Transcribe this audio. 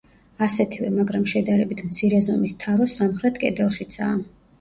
ასეთივე, მაგრამ შედარებით მცირე ზომის თარო სამხრეთ კედელშიცაა.